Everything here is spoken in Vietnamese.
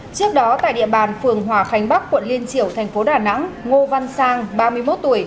trước đó tại địa bàn phường hòa khánh bắc quận liên triểu thành phố đà nẵng ngô văn sang ba mươi một tuổi